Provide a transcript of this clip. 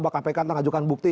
mbak k p k telah mengajukan bukti